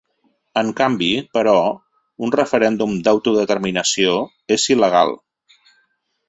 En canvi, però, un referèndum d’autodeterminació és il·legal.